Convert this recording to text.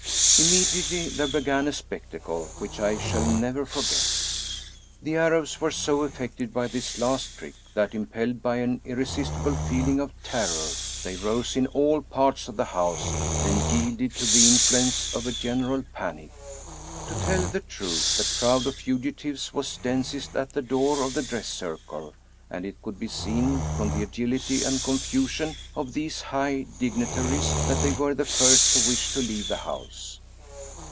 Immediately there began a spectacle which I shall never forget. The Arabs were so affected by this last trick, that, im pelled by an irresistible feeling of terror, they rose in all parts of the house, and yielded to the influence of a general panic. To tell the truth, the crowd of fugitives was densest at the door of the dress circle, and it could be seen, from the agility and confusion of these high dignitaries, that they were the first to wish to leave the house.